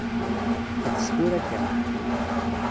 Ḥbes tura kan.